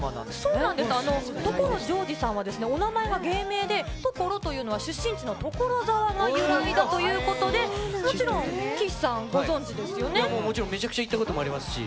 そうなんです、所ジョージさんはですね、お名前が芸名で、所というのは出身地の所沢が由来だということで、もちろん、もちろん、めちゃくちゃ行ったこともありますし。